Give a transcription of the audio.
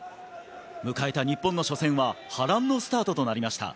迎えた日本の初戦は波乱のスタートとなりました。